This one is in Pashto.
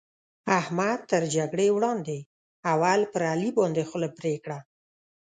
احمد تر جګړې وړاندې؛ اول پر علي باندې خوله پرې کړه.